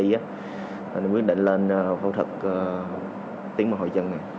thì mình quyết định lên phẫu thuật tiếng mồ hôi chân này